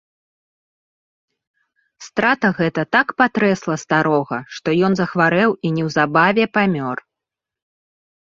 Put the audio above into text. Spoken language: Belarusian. Страта гэта так патрэсла старога, што ён захварэў і неўзабаве памёр.